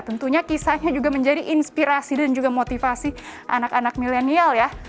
tentunya kisahnya juga menjadi inspirasi dan juga motivasi anak anak milenial ya